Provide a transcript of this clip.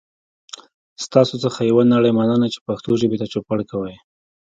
ستاسو څخه یوه نړۍ مننه چې پښتو ژبې ته چوپړ کوئ.